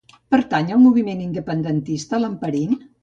Pertany al moviment independentista l'Amparin?